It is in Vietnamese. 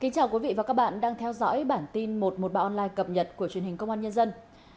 chào mừng quý vị đến với bản tin một trăm một mươi ba online cập nhật của truyền hình công an nhân dân